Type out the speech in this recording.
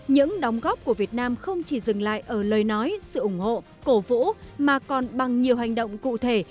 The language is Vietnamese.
những đóng góp của việt nam không chỉ dừng lại ở lời nói sự ủng hộ cổ vũ mà còn bằng nhiều hành động cụ thể